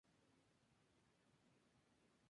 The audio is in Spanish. Takuya Sugawara se encuentra en su segundo reinado.